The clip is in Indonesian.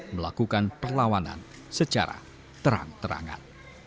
melakukan perlawanan secara terang terangan